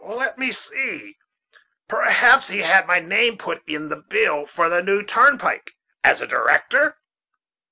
let me see perhaps he had my name put in the bill for the new turnpike, as a director."